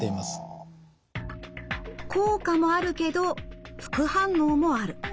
効果もあるけど副反応もある。